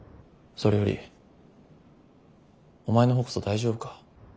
それよりお前の方こそ大丈夫か？